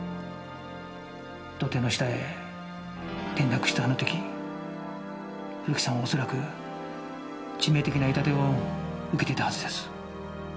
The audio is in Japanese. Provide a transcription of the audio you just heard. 土手の下へ転落したあの時古木さんはおそらく致命的な痛手を受けていたはずです。